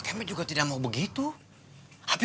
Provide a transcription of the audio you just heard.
kalau dia jadi apa